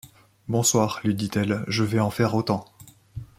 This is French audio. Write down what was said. Bonsoir, lui dit-elle, je vais en faire autant.